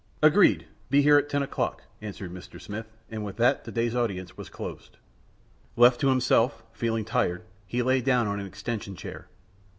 "Agreed. Be here at ten o'clock," answered Mr. Smith; and with that the day's audience was closed. Left to himself, feeling tired, he lay down on an extension chair.